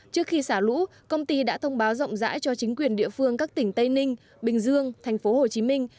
trước khi xả lũ công ty đã thông báo rộng rãi cho chính quyền địa phương các tỉnh tây ninh bình dương thành phố hồ chí minh